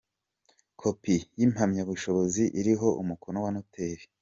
Kopi y’Impamyabushobozi iriho umukono wa Noteri.